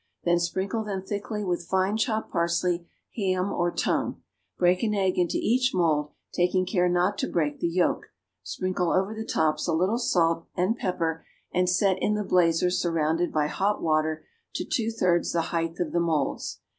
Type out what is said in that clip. Then sprinkle them thickly with fine chopped parsley, ham or tongue. Break an egg into each mould, taking care not to break the yolk; sprinkle over the tops a little salt and pepper, and set in the blazer surrounded by hot water to two thirds the height of the moulds.